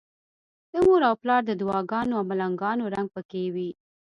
د مور او پلار د دعاګانو او ملنګانو رنګ پکې وي.